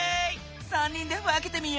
３人でわけてみよう！